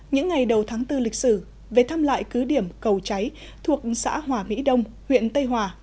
những ngày đầu tháng bốn lịch sử về thăm lại cứ điểm cầu cháy thuộc xã hòa mỹ đông huyện tây hòa